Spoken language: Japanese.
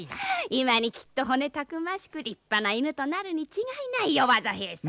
今にきっと骨たくましく立派な犬となるに違いないよ技平さん。